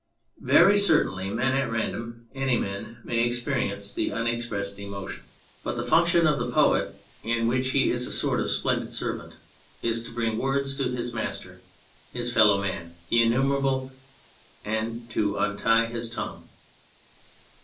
Very certainly men at random, any men, may experience the unexpressed emotion, but the 25 On Anything function of the poet in which he is a sort of splendid servant is to bring words to his master, his fellow man, the innumerable, and to untie his tongue.